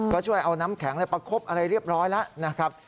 ก็ช่วยเอาน้ำแข็งประคบอะไรเรียบร้อยแล้วนะครับ